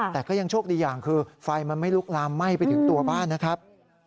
แต่ก็ยังโชคดีอย่างคือไฟมันไม่ลุกลามไหม้ไปถึงตัวบ้านนะครับ